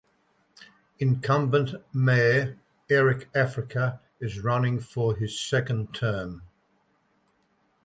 Incumbent Mayor Eric Africa is running for his second term.